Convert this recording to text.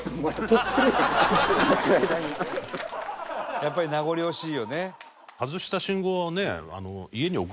やっぱり名残惜しいよね。